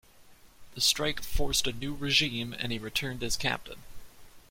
The strike forced a new regime and he returned as captain.